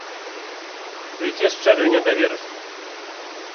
Цвіце з чэрвеня да верасня.